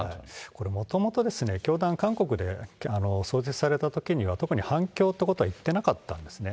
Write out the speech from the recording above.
これもともと教団、韓国で創設されたときには、特に反共ってことは言ってなかったんですね。